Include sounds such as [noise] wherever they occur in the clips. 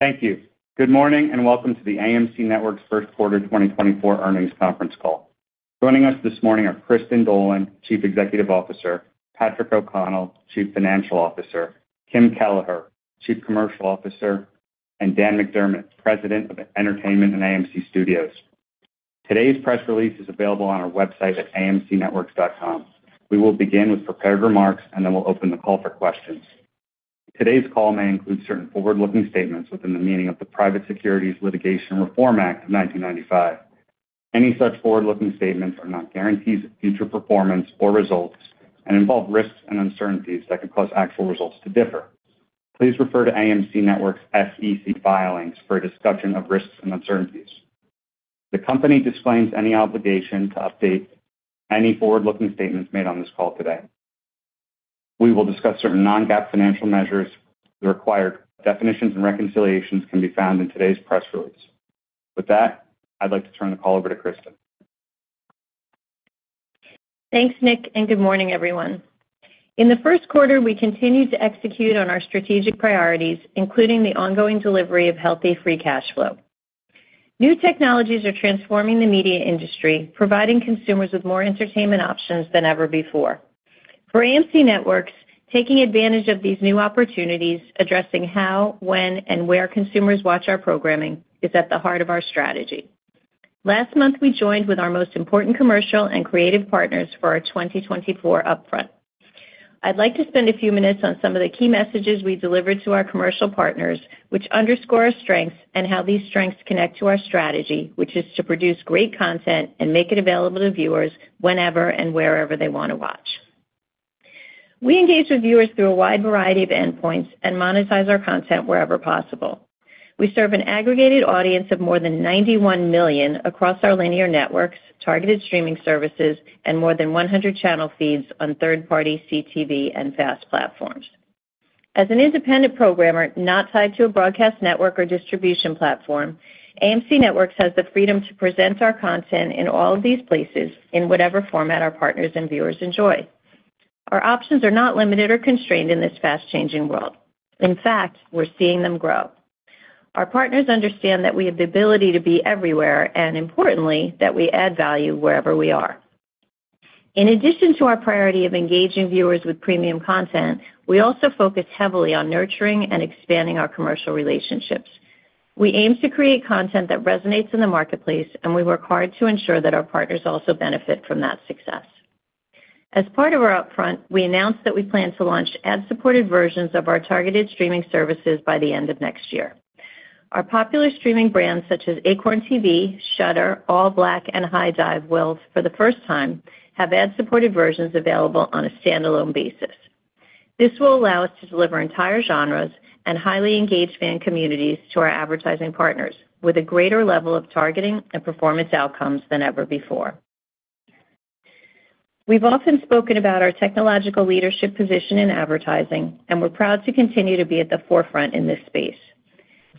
Thank you. Good morning, and welcome to the AMC Networks first quarter 2024 earnings conference call. Joining us this morning are Kristin Dolan, Chief Executive Officer, Patrick O'Connell, Chief Financial Officer, Kim Kelleher, Chief Commercial Officer, and Dan McDermott, President of Entertainment and AMC Studios. Today's press release is available on our website at amcnetworks.com. We will begin with prepared remarks, and then we'll open the call for questions. Today's call may include certain forward-looking statements within the meaning of the Private Securities Litigation Reform Act of 1995. Any such forward-looking statements are not guarantees of future performance or results and involve risks and uncertainties that could cause actual results to differ. Please refer to AMC Networks' SEC filings for a discussion of risks and uncertainties. The company disclaims any obligation to update any forward-looking statements made on this call today. We will discuss certain non-GAAP financial measures. The required definitions and reconciliations can be found in today's press release. With that, I'd like to turn the call over to Kristin. Thanks, Nick, and good morning, everyone. In the first quarter, we continued to execute on our strategic priorities, including the ongoing delivery of healthy free cash flow. New technologies are transforming the media industry, providing consumers with more entertainment options than ever before. For AMC Networks, taking advantage of these new opportunities, addressing how, when, and where consumers watch our programming is at the heart of our strategy. Last month, we joined with our most important commercial and creative partners for our 2024 upfront. I'd like to spend a few minutes on some of the key messages we delivered to our commercial partners, which underscore our strengths and how these strengths connect to our strategy, which is to produce great content and make it available to viewers whenever and wherever they want to watch. We engage with viewers through a wide variety of endpoints and monetize our content wherever possible. We serve an aggregated audience of more than 91 million across our linear networks, targeted streaming services, and more than 100 channel feeds on third-party CTV and FAST platforms. As an independent programmer not tied to a broadcast network or distribution platform, AMC Networks has the freedom to present our content in all of these places in whatever format our partners and viewers enjoy. Our options are not limited or constrained in this fast-changing world. In fact, we're seeing them grow. Our partners understand that we have the ability to be everywhere, and importantly, that we add value wherever we are. In addition to our priority of engaging viewers with premium content, we also focus heavily on nurturing and expanding our commercial relationships. We aim to create content that resonates in the marketplace, and we work hard to ensure that our partners also benefit from that success. As part of our Upfront, we announced that we plan to launch ad-supported versions of our targeted streaming services by the end of next year. Our popular streaming brands, such as Acorn TV, Shudder, ALLBLK, and HIDIVE, will, for the first time, have ad-supported versions available on a standalone basis. This will allow us to deliver entire genres and highly engaged fan communities to our advertising partners with a greater level of targeting and performance outcomes than ever before. We've often spoken about our technological leadership position in advertising, and we're proud to continue to be at the forefront in this space.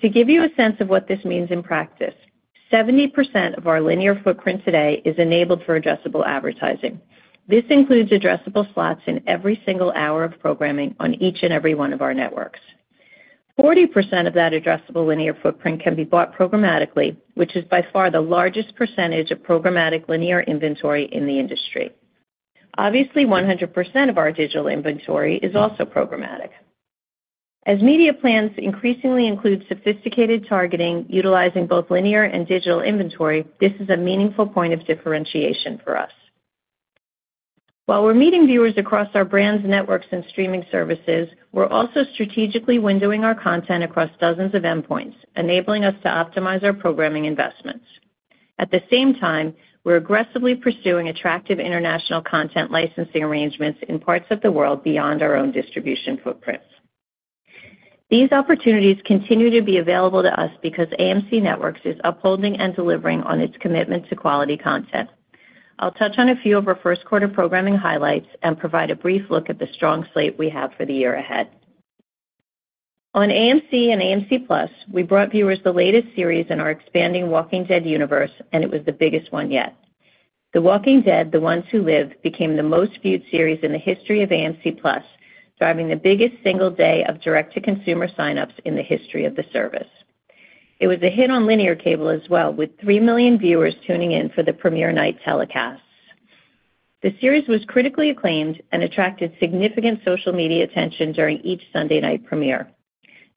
To give you a sense of what this means in practice, 70% of our linear footprint today is enabled for addressable advertising. This includes addressable slots in every single hour of programming on each and every one of our networks. 40% of that addressable linear footprint can be bought programmatically, which is by far the largest percentage of programmatic linear inventory in the industry. Obviously, 100% of our digital inventory is also programmatic. As media plans increasingly include sophisticated targeting, utilizing both linear and digital inventory, this is a meaningful point of differentiation for us. While we're meeting viewers across our brands, networks, and streaming services, we're also strategically windowing our content across dozens of endpoints, enabling us to optimize our programming investments. At the same time, we're aggressively pursuing attractive international content licensing arrangements in parts of the world beyond our own distribution footprints. These opportunities continue to be available to us because AMC Networks is upholding and delivering on its commitment to quality content. I'll touch on a few of our first quarter programming highlights and provide a brief look at the strong slate we have for the year ahead. On AMC and AMC+, we brought viewers the latest series in our expanding Walking Dead universe, and it was the biggest one yet. The Walking Dead: The Ones Who Live became the most viewed series in the history of AMC+, driving the biggest single day of direct-to-consumer signups in the history of the service. It was a hit on linear cable as well, with 3 million viewers tuning in for the premiere night telecasts. The series was critically acclaimed and attracted significant social media attention during each Sunday night premiere.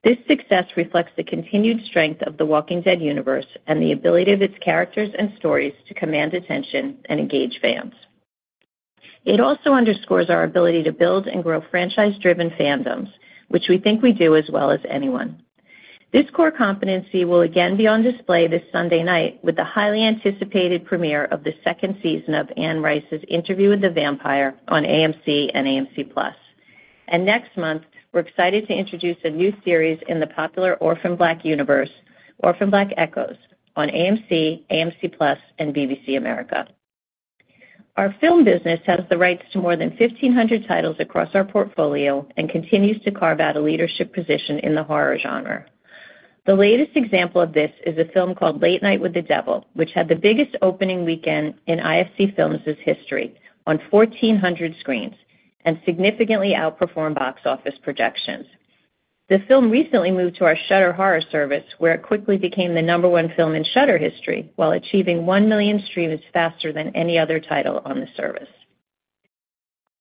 This success reflects the continued strength of The Walking Dead universe and the ability of its characters and stories to command attention and engage fans. It also underscores our ability to build and grow franchise-driven fandoms, which we think we do as well as anyone. This core competency will again be on display this Sunday night with the highly anticipated premiere of the second season of Anne Rice's Interview with the Vampire on AMC and AMC+. Next month, we're excited to introduce a new series in the popular Orphan Black universe, Orphan Black: Echoes, on AMC, AMC+, and BBC America. Our film business has the rights to more than 1,500 titles across our portfolio and continues to carve out a leadership position in the horror genre. The latest example of this is a film called Late Night with the Devil, which had the biggest opening weekend in IFC Films' history on 1,400 screens and significantly outperformed box office projections. The film recently moved to our Shudder Horror service, where it quickly became the number one film in Shudder history, while achieving 1 million streams faster than any other title on the service.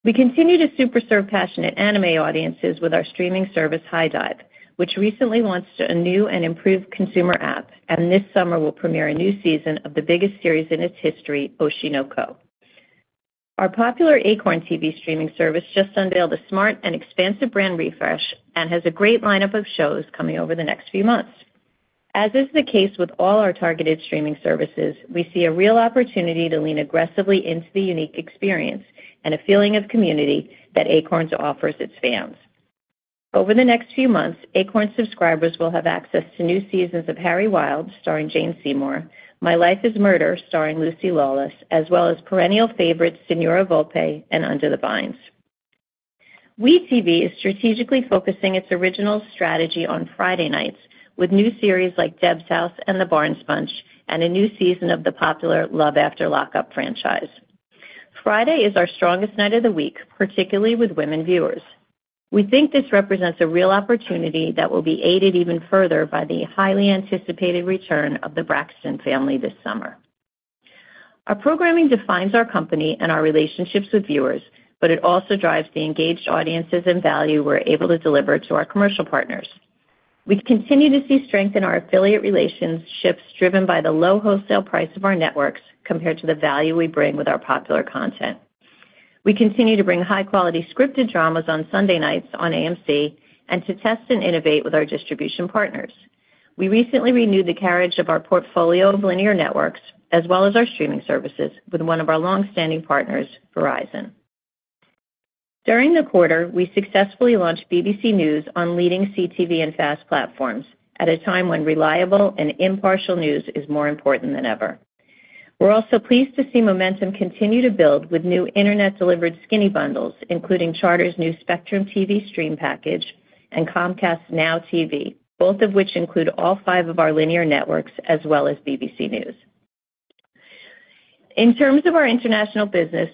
We continue to super serve passionate anime audiences with our streaming service, HIDIVE, which recently launched a new and improved consumer app, and this summer will premiere a new season of the biggest series in its history, Oshi no Ko. Our popular Acorn TV streaming service just unveiled a smart and expansive brand refresh and has a great lineup of shows coming over the next few months. As is the case with all our targeted streaming services, we see a real opportunity to lean aggressively into the unique experience and a feeling of community that Acorn offers its fans. Over the next few months, Acorn subscribers will have access to new seasons of Harry Wild, starring Jane Seymour, My Life is Murder, starring Lucy Lawless, as well as perennial favorites, Signora Volpe and Under the Vines. WE tv is strategically focusing its original strategy on Friday nights with new series like Deb's House and The Barnes Bunch, and a new season of the popular Love After Lockup franchise. Friday is our strongest night of the week, particularly with women viewers. We think this represents a real opportunity that will be aided even further by the highly anticipated return of The Braxtons this summer. Our programming defines our company and our relationships with viewers, but it also drives the engaged audiences and value we're able to deliver to our commercial partners. We continue to see strength in our affiliate relationships, driven by the low wholesale price of our networks compared to the value we bring with our popular content. We continue to bring high-quality scripted dramas on Sunday nights on AMC and to test and innovate with our distribution partners. We recently renewed the carriage of our portfolio of linear networks, as well as our streaming services, with one of our long-standing partners, Verizon. During the quarter, we successfully launched BBC News on leading CTV and FAST platforms at a time when reliable and impartial news is more important than ever. We're also pleased to see momentum continue to build with new internet-delivered skinny bundles, including Charter's new Spectrum TV Stream package and Comcast NOW TV, both of which include all five of our linear networks, as well as BBC News. In terms of our international business,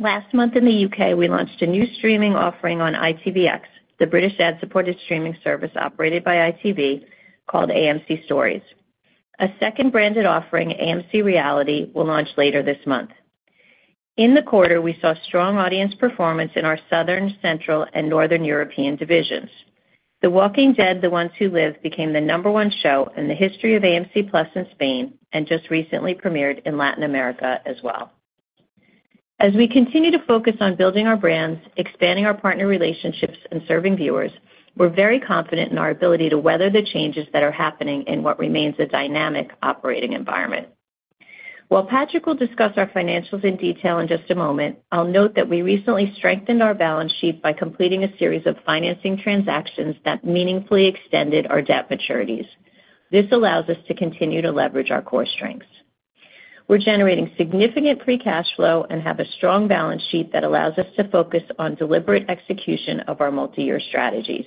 last month in the U.K., we launched a new streaming offering on ITVX, the British ad-supported streaming service operated by ITV, called AMC Stories. A second branded offering, AMC Reality, will launch later this month. In the quarter, we saw strong audience performance in our Southern Europe, Central Europe, and Northern Europe divisions. The Walking Dead: The Ones Who Live became the number one show in the history of AMC+ in Spain and just recently premiered in Latin America as well. As we continue to focus on building our brands, expanding our partner relationships, and serving viewers, we're very confident in our ability to weather the changes that are happening in what remains a dynamic operating environment. While Patrick will discuss our financials in detail in just a moment, I'll note that we recently strengthened our balance sheet by completing a series of financing transactions that meaningfully extended our debt maturities. This allows us to continue to leverage our core strengths. We're generating significant free cash flow and have a strong balance sheet that allows us to focus on deliberate execution of our multi-year strategies.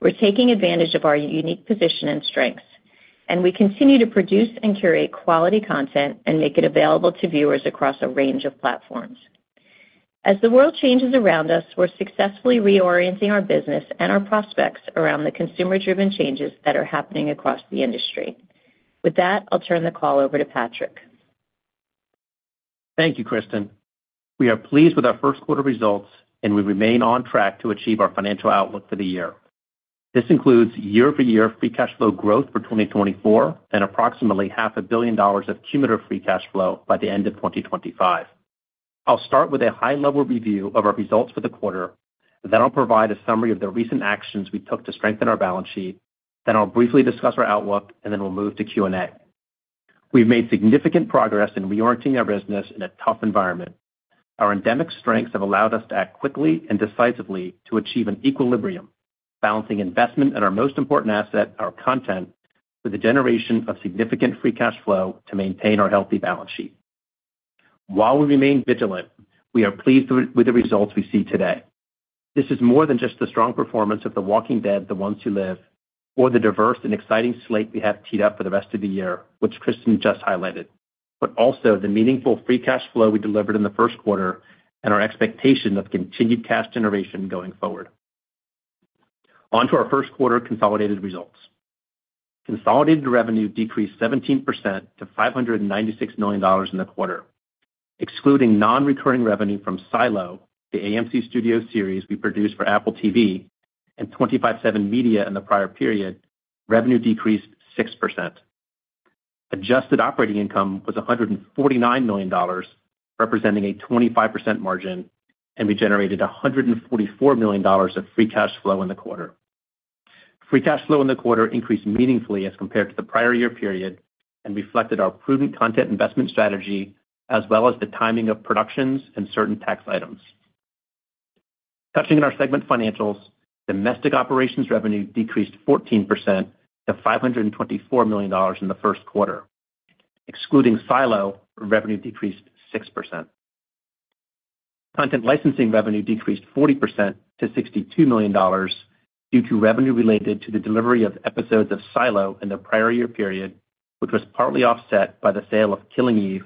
We're taking advantage of our unique position and strengths, and we continue to produce and curate quality content and make it available to viewers across a range of platforms. As the world changes around us, we're successfully reorienting our business and our prospects around the consumer-driven changes that are happening across the industry. With that, I'll turn the call over to Patrick. Thank you, Kristin. We are pleased with our first quarter results, and we remain on track to achieve our financial outlook for the year. This includes year-over-year free cash flow growth for 2024 and approximately $500 million of cumulative free cash flow by the end of 2025. I'll start with a high-level review of our results for the quarter, then I'll provide a summary of the recent actions we took to strengthen our balance sheet. Then I'll briefly discuss our outlook, and then we'll move to Q&A. We've made significant progress in reorienting our business in a tough environment. Our endemic strengths have allowed us to act quickly and decisively to achieve an equilibrium, balancing investment in our most important asset, our content, with a generation of significant free cash flow to maintain our healthy balance sheet. While we remain vigilant, we are pleased with the results we see today. This is more than just the strong performance of The Walking Dead: The Ones Who Live, or the diverse and exciting slate we have teed up for the rest of the year, which Kristin just highlighted, but also the meaningful free cash flow we delivered in the first quarter and our expectation of continued cash generation going forward. On to our first quarter consolidated results. Consolidated revenue decreased 17% to $596 million in the quarter. Excluding non-recurring revenue from Silo, the AMC Studios series we produced for Apple TV, and 25/7 Media in the prior period, revenue decreased 6%. Adjusted Operating Income was $149 million, representing a 25% margin, and we generated $144 million of free cash flow in the quarter. Free cash flow in the quarter increased meaningfully as compared to the prior year period and reflected our prudent content investment strategy, as well as the timing of productions and certain tax items. Touching on our segment financials, domestic operations revenue decreased 14% to $524 million in the first quarter. Excluding Silo, revenue decreased 6%. Content licensing revenue decreased 40% to $62 million due to revenue related to the delivery of episodes of Silo in the prior year period, which was partly offset by the sale of Killing Eve,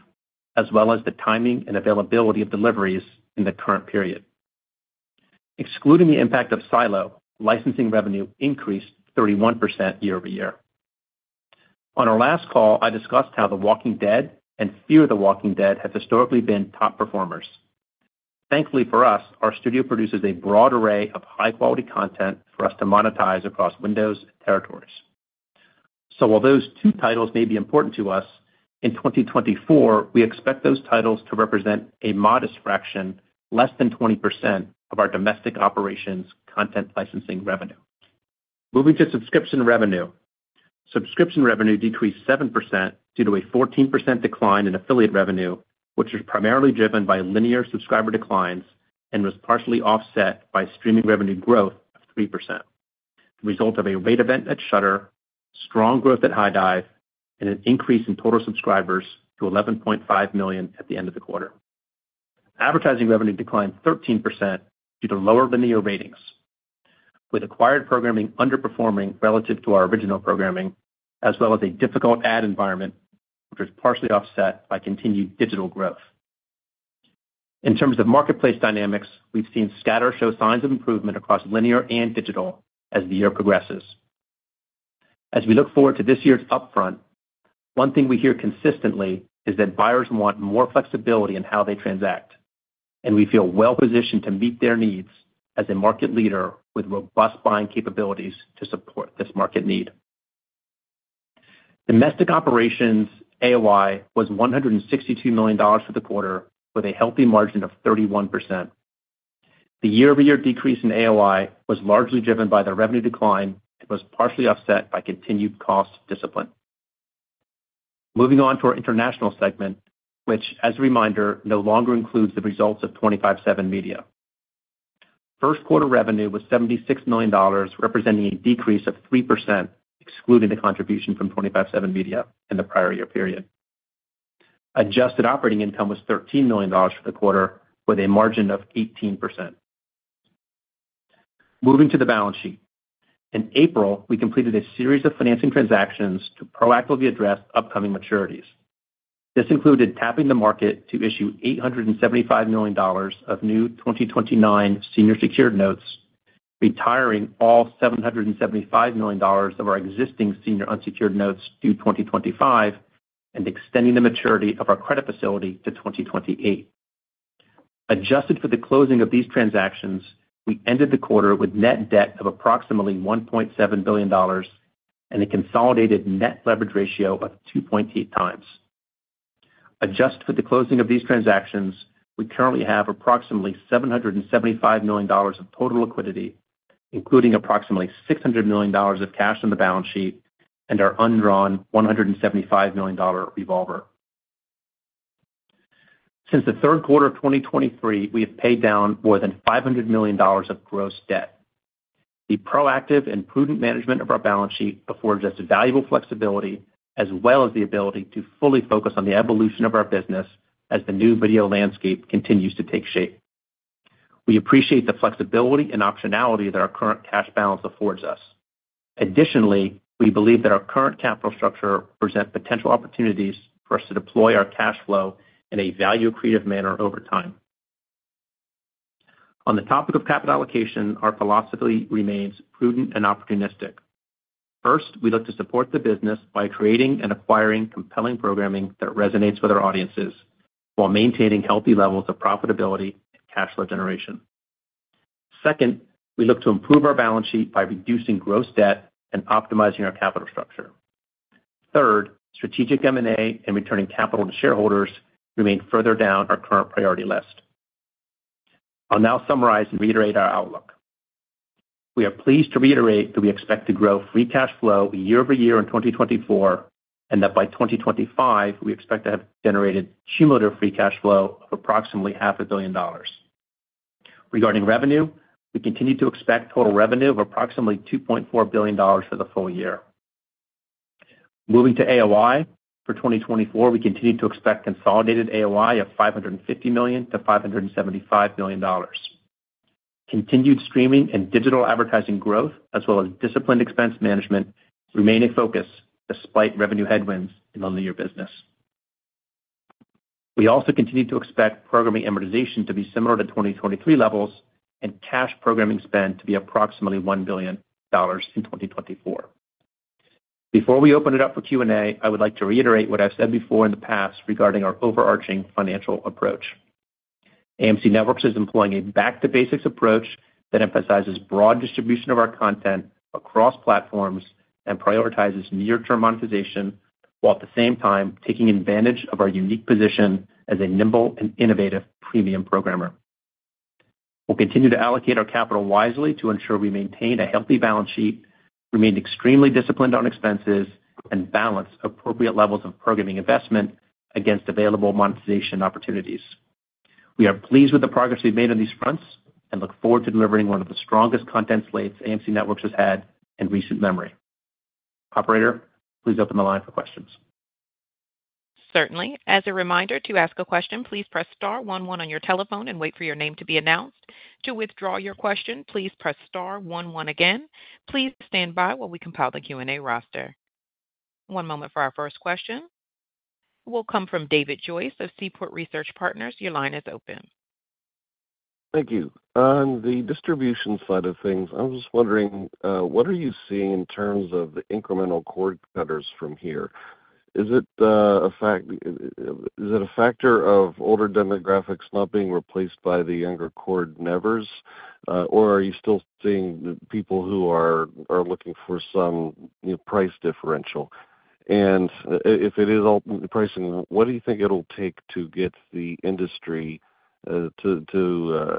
as well as the timing and availability of deliveries in the current period. Excluding the impact of Silo, licensing revenue increased 31% year-over-year. On our last call, I discussed how The Walking Dead and Fear the Walking Dead have historically been top performers. Thankfully for us, our studio produces a broad array of high-quality content for us to monetize across windowing territories. So while those two titles may be important to us, in 2024, we expect those titles to represent a modest fraction, less than 20%, of our domestic operations content licensing revenue. Moving to subscription revenue. Subscription revenue decreased 7% due to a 14% decline in affiliate revenue, which is primarily driven by linear subscriber declines and was partially offset by streaming revenue growth of 3%, the result of a rate event at Shudder, strong growth at HIDIVE, and an increase in total subscribers to 11.5 million at the end of the quarter. Advertising revenue declined 13% due to lower linear ratings, with acquired programming underperforming relative to our original programming, as well as a difficult ad environment, which was partially offset by continued digital growth. In terms of marketplace dynamics, we've seen scatter show signs of improvement across linear and digital as the year progresses. As we look forward to this year's upfront, one thing we hear consistently is that buyers want more flexibility in how they transact, and we feel well positioned to meet their needs as a market leader with robust buying capabilities to support this market need. Domestic operations AOI was $162 million for the quarter, with a healthy margin of 31%. The year-over-year decrease in AOI was largely driven by the revenue decline and was partially offset by continued cost discipline. Moving on to our international segment, which, as a reminder, no longer includes the results of 25/7 Media. First quarter revenue was $76 million, representing a decrease of 3%, excluding the contribution from 25/7 Media in the prior year period. Adjusted Operating Income was $13 million for the quarter, with a margin of 18%. Moving to the balance sheet. In April, we completed a series of financing transactions to proactively address upcoming maturities. This included tapping the market to issue $875 million of new 2029 senior secured notes, retiring all $775 million of our existing senior unsecured notes due 2025, and extending the maturity of our credit facility to 2028. Adjusted for the closing of these transactions, we ended the quarter with net debt of approximately $1.7 billion and a consolidated net leverage ratio of 2.8 times. Adjusted for the closing of these transactions, we currently have approximately $775 million of total liquidity, including approximately $600 million of cash on the balance sheet and our undrawn $175 million revolver. Since the third quarter of 2023, we have paid down more than $500 million of gross debt. The proactive and prudent management of our balance sheet affords us valuable flexibility, as well as the ability to fully focus on the evolution of our business as the new video landscape continues to take shape. We appreciate the flexibility and optionality that our current cash balance affords us. Additionally, we believe that our current capital structure presents potential opportunities for us to deploy our cash flow in a value-accretive manner over time. On the topic of capital allocation, our philosophy remains prudent and opportunistic. First, we look to support the business by creating and acquiring compelling programming that resonates with our audiences while maintaining healthy levels of profitability and cash flow generation. Second, we look to improve our balance sheet by reducing gross debt and optimizing our capital structure. Third, strategic M&A and returning capital to shareholders remain further down our current priority list. I'll now summarize and reiterate our outlook. We are pleased to reiterate that we expect to grow free cash flow year-over-year in 2024, and that by 2025, we expect to have generated cumulative free cash flow of approximately $500 million. Regarding revenue, we continue to expect total revenue of approximately $2.4 billion for the full year. Moving to AOI. For 2024, we continue to expect consolidated AOI of $550 million-$575 million. Continued streaming and digital advertising growth, as well as disciplined expense management, remain a focus despite revenue headwinds in the linear business. We also continue to expect programming amortization to be similar to 2023 levels and cash programming spend to be approximately $1 billion in 2024. Before we open it up for Q&A, I would like to reiterate what I've said before in the past regarding our overarching financial approach. AMC Networks is employing a back-to-basics approach that emphasizes broad distribution of our content across platforms and prioritizes near-term monetization, while at the same time taking advantage of our unique position as a nimble and innovative premium programmer. We'll continue to allocate our capital wisely to ensure we maintain a healthy balance sheet, remain extremely disciplined on expenses, and balance appropriate levels of programming investment against available monetization opportunities. We are pleased with the progress we've made on these fronts and look forward to delivering one of the strongest content slates AMC Networks has had in recent memory. Operator, please open the line for questions. Certainly. As a reminder, to ask a question, please press star one one on your telephone and wait for your name to be announced. To withdraw your question, please press star one one again. Please stand by while we compile the Q&A roster. One moment for our first question. Will come from David Joyce of Seaport Research Partners. Your line is open. Thank you. On the distribution side of things, I was just wondering what are you seeing in terms of the incremental cord cutters from here? Is it a factor of older demographics not being replaced by the younger cord nevers? Or are you still seeing the people who are looking for some, you know, price differential? And if it is all the pricing, what do you think it'll take to get the industry to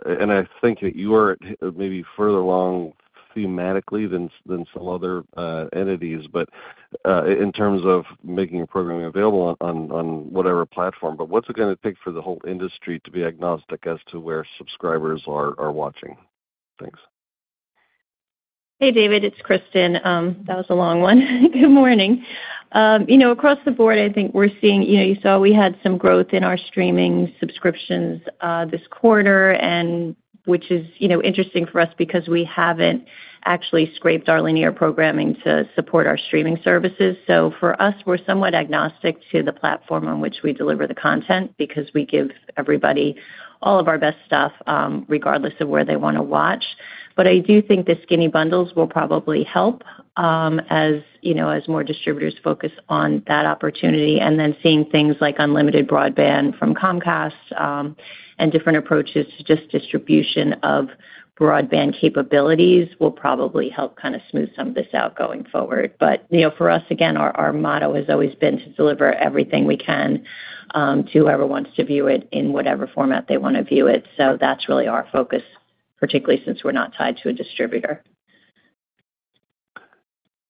and I think that you are at, maybe further along thematically than some other entities, but in terms of making programming available on whatever platform. But what's it gonna take for the whole industry to be agnostic as to where subscribers are watching? Thanks. Hey, David, it's Kristin. That was a long one. Good morning. You know, across the board, I think we're seeing—you know, you saw we had some growth in our streaming subscriptions, this quarter, and which is, you know, interesting for us because we haven't actually scraped our linear programming to support our streaming services. So for us, we're somewhat agnostic to the platform on which we deliver the content, because we give everybody all of our best stuff, regardless of where they wanna watch. But I do think the skinny bundles will probably help, as, you know, as more distributors focus on that opportunity, and then seeing things like unlimited broadband from Comcast, and different approaches to just distribution of broadband capabilities will probably help kind of smooth some of this out going forward. But, you know, for us, again, our motto has always been to deliver everything we can, to whoever wants to view it in whatever format they wanna view it. So that's really our focus, particularly since we're not tied to a distributor.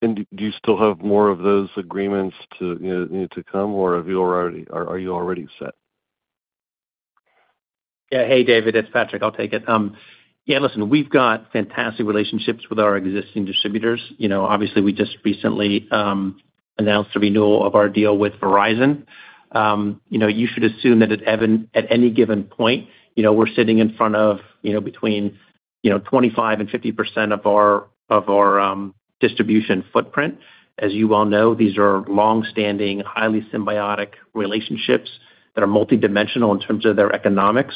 Do you still have more of those agreements to, you know, to come, or have you already. Are you already set? Yeah. Hey, David, it's Patrick. I'll take it. Yeah, listen, we've got fantastic relationships with our existing distributors. You know, obviously, we just recently announced the renewal of our deal with Verizon. You know, you should assume that at even- at any given point, you know, we're sitting in front of, you know, between 25%-50% of our, of our distribution footprint. As you well know, these are long-standing, highly symbiotic relationships that are multidimensional in terms of their economics.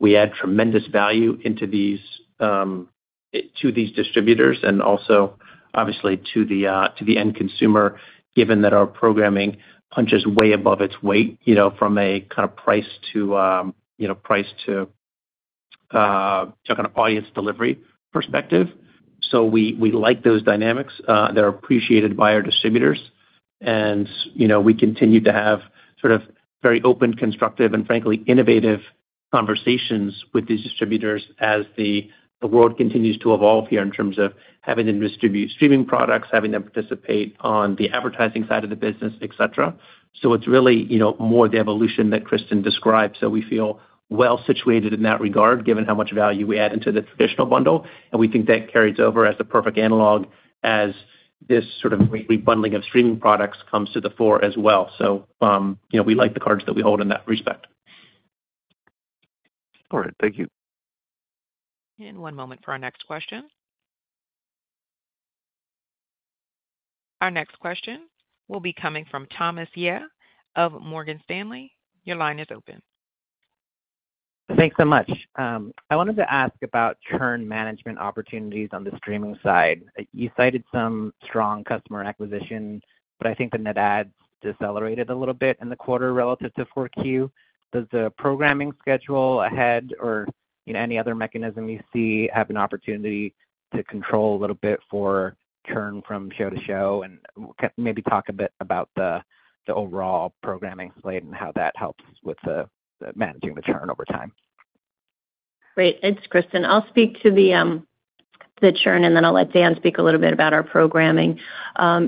We add tremendous value into these to these distributors and also, obviously, to the to the end consumer, given that our programming punches way above its weight, you know, from a kind of price to, you know, price to kind of audience delivery perspective. So we like those dynamics. They're appreciated by our distributors. You know, we continue to have sort of very open, constructive, and frankly, innovative conversations with these distributors as the world continues to evolve here in terms of having them distribute streaming products, having them participate on the advertising side of the business, et cetera. So it's really, you know, more the evolution that Kristin described. So we feel well situated in that regard, given how much value we add into the traditional bundle, and we think that carries over as the perfect analog as this sort of rebundling of streaming products comes to the fore as well. You know, we like the cards that we hold in that respect. All right. Thank you. One moment for our next question. Our next question will be coming from Thomas Yeh of Morgan Stanley. Your line is open. Thanks so much. I wanted to ask about churn management opportunities on the streaming side. You cited some strong customer acquisition, but I think the net adds decelerated a little bit in the quarter relative to Q4. Does the programming schedule ahead or, you know, any other mechanism you see, have an opportunity to control a little bit for churn from show to show? And maybe talk a bit about the overall programming slate and how that helps with the managing the churn over time. Great. It's Kristin. I'll speak to the churn, and then I'll let Dan speak a little bit about our programming.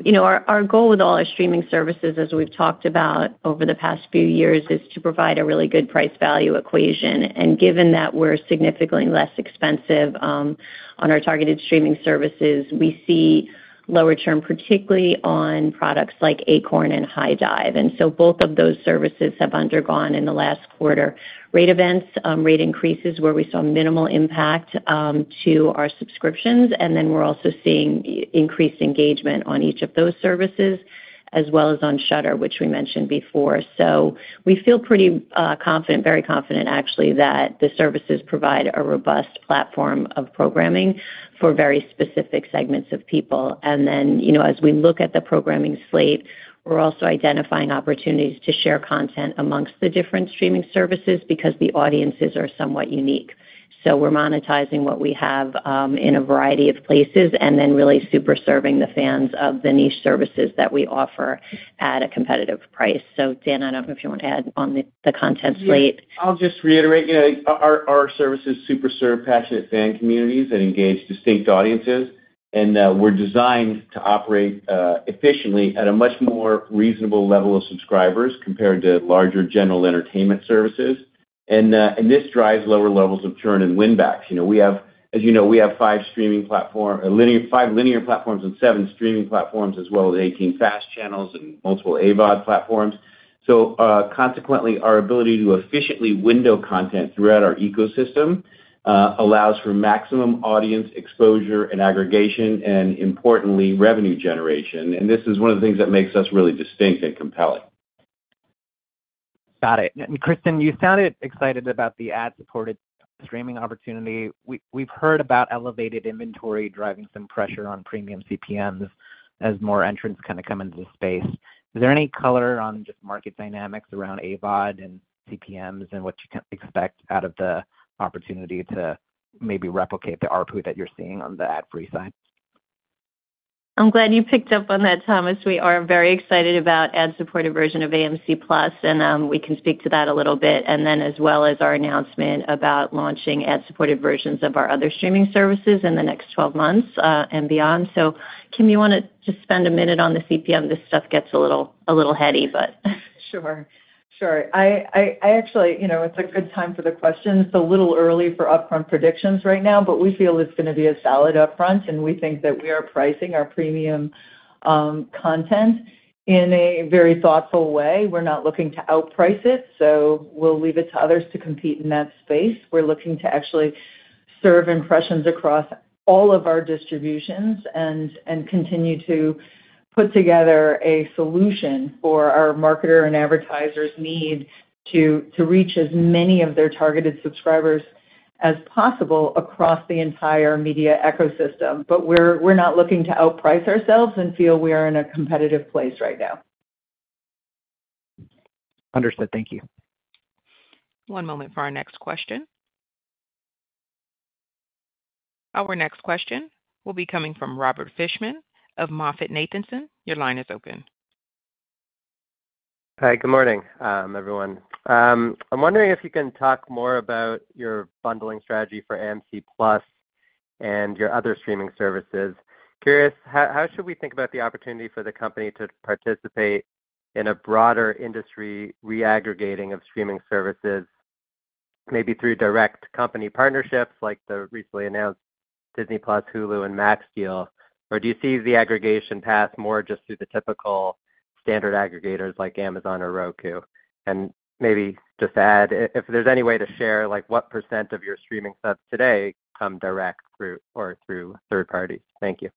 You know, our goal with all our streaming services, as we've talked about over the past few years, is to provide a really good price-value equation. And given that we're significantly less expensive on our targeted streaming services, we see lower churn, particularly on products like Acorn and HIDIVE. And so both of those services have undergone, in the last quarter, rate events, rate increases, where we saw minimal impact to our subscriptions, and then we're also seeing increased engagement on each of those services, as well as on Shudder, which we mentioned before. So we feel pretty confident, very confident actually, that the services provide a robust platform of programming for very specific segments of people. And then, you know, as we look at the programming slate, we're also identifying opportunities to share content amongst the different streaming services because the audiences are somewhat unique. So we're monetizing what we have in a variety of places, and then really super serving the fans of the niche services that we offer at a competitive price. So Dan, I don't know if you want to add on the content slate. I'll just reiterate, you know, our services super serve passionate fan communities and engage distinct audiences, and we're designed to operate efficiently at a much more reasonable level of subscribers compared to larger general entertainment services. And this drives lower levels of churn and win backs. You know, we have, as you know, we have 5 streaming platform, a linear, 5 linear platforms and 7 streaming platforms, as well as 18 fast channels and multiple AVOD platforms. So, consequently, our ability to efficiently window content throughout our ecosystem allows for maximum audience exposure and aggregation and importantly, revenue generation. And this is one of the things that makes us really distinct and compelling. Got it. And Kristin, you sounded excited about the ad-supported streaming opportunity. We've heard about elevated inventory driving some pressure on premium CPMs as more entrants kinda come into the space. Is there any color on just market dynamics around AVOD and CPMs and what you can expect out of the opportunity to maybe replicate the ARPU that you're seeing on the ad-free side? I'm glad you picked up on that, Thomas. We are very excited about ad-supported version of AMC+, and we can speak to that a little bit. And then as well as our announcement about launching ad-supported versions of our other streaming services in the next 12 months, and beyond. So Kim, you wanna just spend a minute on the CPM? This stuff gets a little heady, but Sure. Sure. I actually, you know, it's a good time for the question. It's a little early for upfront predictions right now, but we feel it's gonna be a solid upfront, and we think that we are pricing our premium content in a very thoughtful way. We're not looking to outprice it, so we'll leave it to others to compete in that space. We're looking to actually serve impressions across all of our distributions and continue to put together a solution for our marketer and advertisers need to reach as many of their targeted subscribers as possible across the entire media ecosystem. But we're not looking to outprice ourselves and feel we are in a competitive place right now. Understood. Thank you. One moment for our next question. Our next question will be coming from Robert Fishman of MoffettNathanson. Your line is open. Hi, good morning, everyone. I'm wondering if you can talk more about your bundling strategy for AMC+ and your other streaming services. Curious, how should we think about the opportunity for the company to participate in a broader industry reaggregating of streaming services, maybe through direct company partnerships, like the recently announced Disney+, Hulu, and Max deal? Or do you see the aggregation path more just through the typical standard aggregators like Amazon or Roku? And maybe just add, if there's any way to share, like, what % of your streaming subs today come direct through or through third parties. Thank you.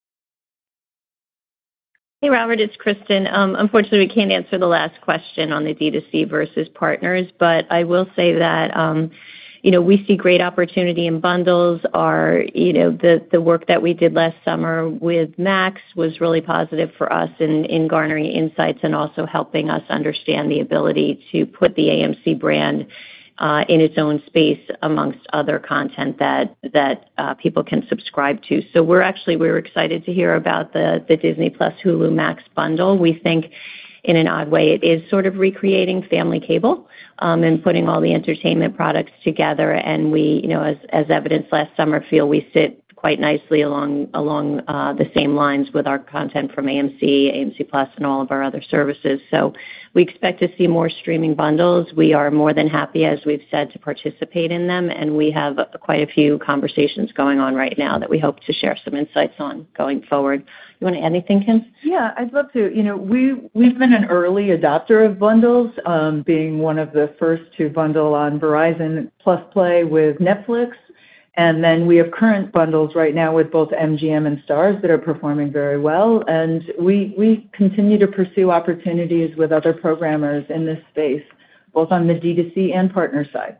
Hey, Robert, it's Kristin. Unfortunately, we can't answer the last question on the D2C versus partners, but I will say that, you know, we see great opportunity in bundles. Our, you know, the work that we did last summer with Max was really positive for us in garnering insights and also helping us understand the ability to put the AMC brand in its own space amongst other content that people can subscribe to. So we're actually, we're excited to hear about the Disney+, Hulu, Max bundle. We think in an odd way, it is sort of recreating family cable and putting all the entertainment products together. And we, you know, as evidenced last summer, feel we sit quite nicely along the same lines with our content from AMC, AMC+, and all of our other services. So we expect to see more streaming bundles. We are more than happy, as we've said, to participate in them, and we have quite a few conversations going on right now that we hope to share some insights on going forward. You wanna add anything, Kim? Yeah, I'd love to. You know, we've, we've been an early adopter of bundles, being one of the first to bundle on Verizon +play with Netflix. And then we have current bundles right now with both MGM and Starz that are performing very well. And we, we continue to pursue opportunities with other programmers in this space, both on the D2C and partner side.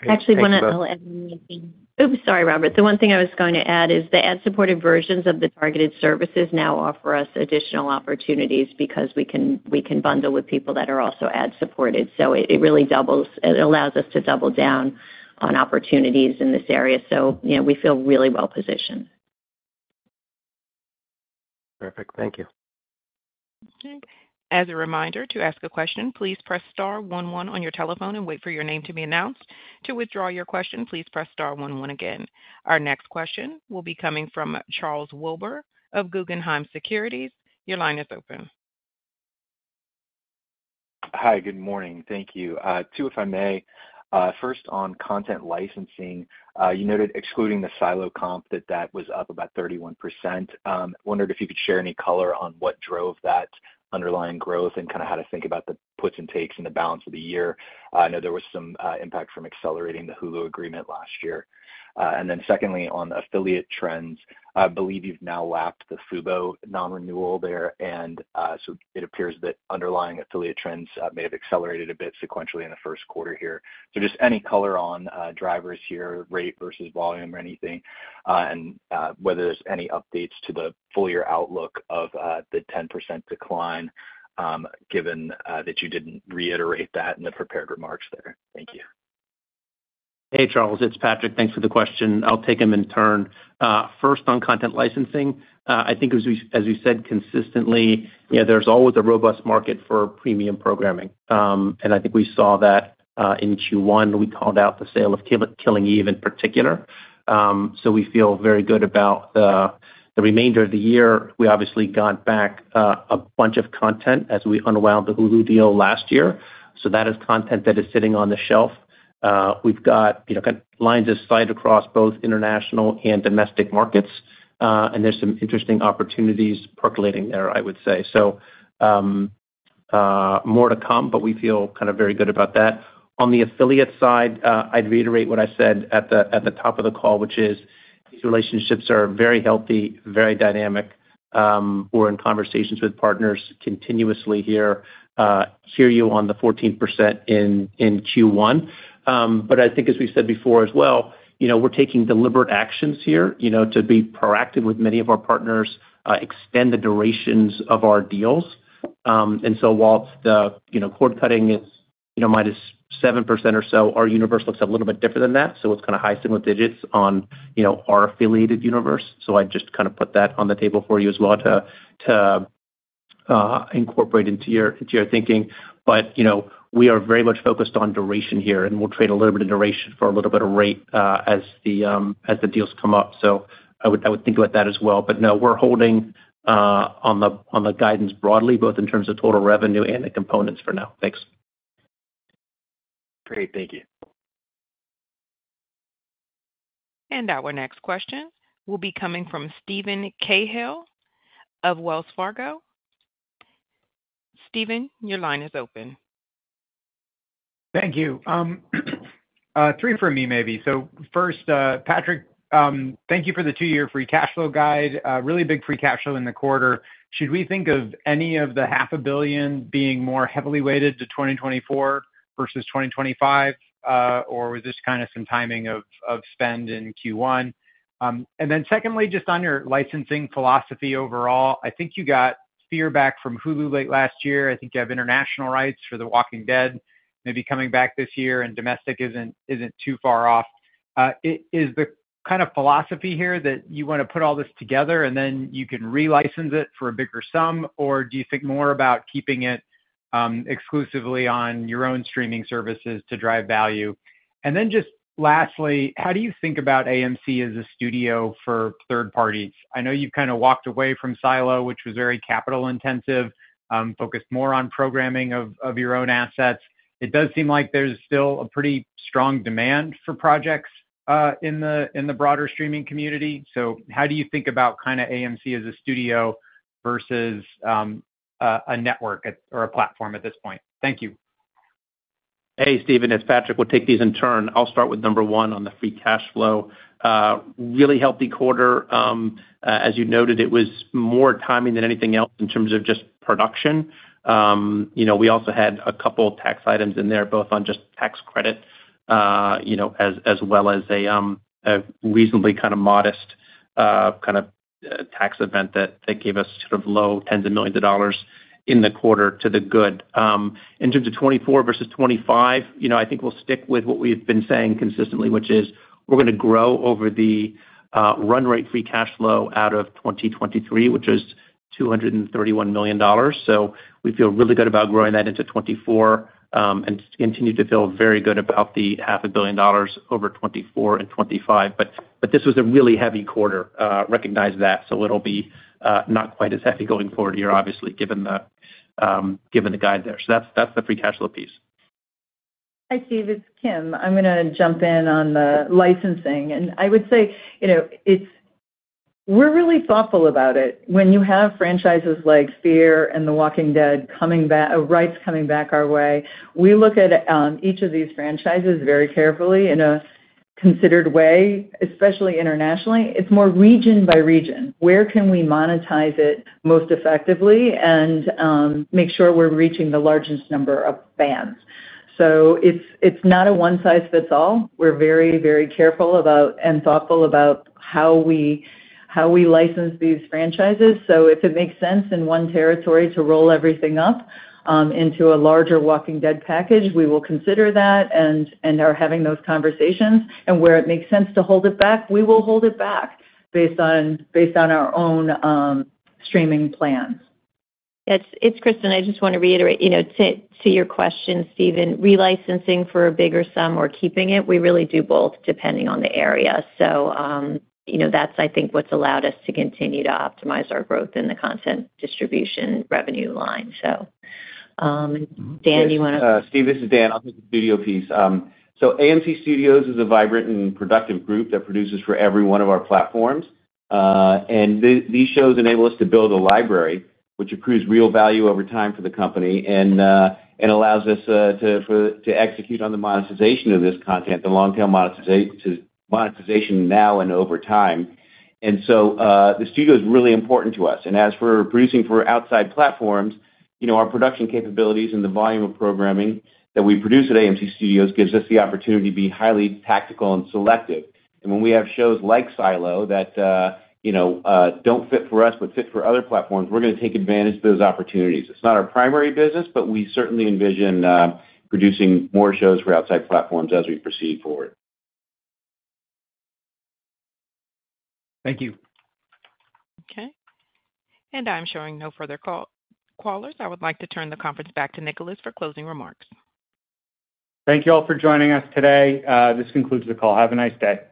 Great. Thanks, both- [crosstalk] Actually, one I'll add. Oops, sorry, Robert. The one thing I was going to add is the ad-supported versions of the targeted services now offer us additional opportunities because we can, we can bundle with people that are also ad-supported. So it, it really doubles. It allows us to double down on opportunities in this area. So, you know, we feel really well-positioned. Perfect. Thank you. Okay. As a reminder, to ask a question, please press star one one on your telephone and wait for your name to be announced. To withdraw your question, please press star one one again. Our next question will be coming from Charles Wilber of Guggenheim Securities. Your line is open. Hi, good morning. Thank you. Two, if I may. First, on content licensing, you noted, excluding the Silo comp, that that was up about 31%. Wondered if you could share any color on what drove that underlying growth and kinda how to think about the puts and takes in the balance of the year. I know there was some impact from accelerating the Hulu agreement last year. And then secondly, on the affiliate trends, I believe you've now lapped the Fubo non-renewal there, and so it appears that underlying affiliate trends may have accelerated a bit sequentially in the first quarter here. So just any color on drivers here, rate versus volume or anything, and whether there's any updates to the full-year outlook of the 10% decline, given that you didn't reiterate that in the prepared remarks there. Thank you. Hey, Charles, it's Patrick. Thanks for the question. I'll take them in turn. First, on content licensing, I think as we, as we said, consistently, you know, there's always a robust market for premium programming. And I think we saw that in Q1, we called out the sale of Killing Eve, in particular. So we feel very good about the remainder of the year. We obviously got back a bunch of content as we unwound the Hulu deal last year. So that is content that is sitting on the shelf. We've got, you know, lines of sight across both international and domestic markets, and there's some interesting opportunities percolating there, I would say. So more to come, but we feel kind of very good about that. On the affiliate side, I'd reiterate what I said at the top of the call, which is these relationships are very healthy, very dynamic. We're in conversations with partners continuously here. Hear you on the 14% in Q1. But I think as we said before as well, you know, we're taking deliberate actions here, you know, to be proactive with many of our partners, extend the durations of our deals. And so while the, you know, cord cutting is, you know, -7% or so, our universe looks a little bit different than that, so it's kind of high single digits on, you know, our affiliated universe. So I'd just kind of put that on the table for you as well to incorporate into your thinking. But, you know, we are very much focused on duration here, and we'll trade a little bit of duration for a little bit of rate, as the deals come up. So I would think about that as well. But no, we're holding on the guidance broadly, both in terms of total revenue and the components for now. Thanks. Great, thank you. Our next question will be coming from Steven Cahall of Wells Fargo. Steven, your line is open. Thank you. Three for me, maybe. So first, Patrick, thank you for the two-year free cash flow guide, really big free cash flow in the quarter. Should we think of any of the $500 million being more heavily weighted to 2024 versus 2025? Or was this kind of some timing of spend in Q1? And then secondly, just on your licensing philosophy overall, I think you got Fear the Walking Dead back from Hulu late last year. I think you have international rights for The Walking Dead, maybe coming back this year, and domestic isn't too far off. Is the kind of philosophy here that you wanna put all this together and then you can relicense it for a bigger sum, or do you think more about keeping it exclusively on your own streaming services to drive value? And then just lastly, how do you think about AMC as a studio for third parties? I know you've kind of walked away from Silo, which was very capital intensive, focused more on programming of, of your own assets. It does seem like there's still a pretty strong demand for projects, in the, in the broader streaming community. So how do you think about kinda AMC as a studio versus, a network or a platform at this point? Thank you. Hey, Steven, it's Patrick. We'll take these in turn. I'll start with number 1 on the free cash flow. Really healthy quarter. As you noted, it was more timing than anything else in terms of just production. You know, we also had a couple of tax items in there, both on just tax credit, you know, as well as a reasonably kind of modest, kind of, tax event that gave us sort of low $10s of millions in the quarter to the good. In terms of 2024 versus 2025, you know, I think we'll stick with what we've been saying consistently, which is we're gonna grow over the run rate free cash flow out of 2023, which is $231 million. So we feel really good about growing that into 2024, and continue to feel very good about the $500 million over 2024 and 2025. But this was a really heavy quarter, recognize that, so it'll be not quite as heavy going forward here, obviously, given the guide there. So that's the free cash flow piece. Hi, Steve, it's Kim. I'm gonna jump in on the licensing, and I would say, you know, it's, we're really thoughtful about it. When you have franchises like Fear and The Walking Dead coming back, rights coming back our way, we look at each of these franchises very carefully in a considered way, especially internationally. It's more region by region. Where can we monetize it most effectively and make sure we're reaching the largest number of fans? So it's not a one size fits all. We're very, very careful about and thoughtful about how we license these franchises. So if it makes sense in one territory to roll everything up into a larger Walking Dead package, we will consider that and are having those conversations. Where it makes sense to hold it back, we will hold it back based on, based on our own streaming plans. It's Kristin. I just want to reiterate, you know, to your question, Stephen. Relicensing for a bigger sum or keeping it, we really do both, depending on the area. So, you know, that's, I think, what's allowed us to continue to optimize our growth in the content distribution revenue line. So, Dan, you wanna- Steve, this is Dan. I'll take the studio piece. So AMC Studios is a vibrant and productive group that produces for every one of our platforms. And these shows enable us to build a library, which accrues real value over time for the company, and allows us to execute on the monetization of this content, the long tail monetization now and over time. And so, the studio is really important to us. And as we're producing for outside platforms, you know, our production capabilities and the volume of programming that we produce at AMC Studios gives us the opportunity to be highly tactical and selective. And when we have shows like Silo that, you know, don't fit for us, but fit for other platforms, we're gonna take advantage of those opportunities. It's not our primary business, but we certainly envision producing more shows for outside platforms as we proceed forward. Thank you. Okay. I'm showing no further callers. I would like to turn the conference back to Nicholas for closing remarks. Thank you all for joining us today. This concludes the call. Have a nice day.